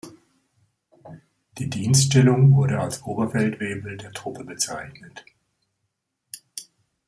Die Dienststellung wurde als "Oberfeldwebel der Truppe" bezeichnet.